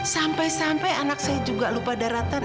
sampai sampai anak saya juga lupa daratan